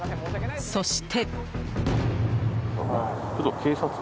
そして。